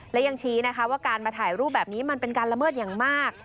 และยังชี้นะคะว่าการมาถ่ายรูปแบบนี้มันเป็นการละเมิดอย่างมาก